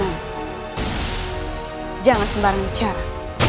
semua orang yang melakukan itu semua